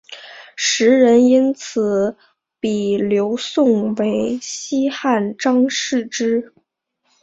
时人因此比刘颂为西汉张释之。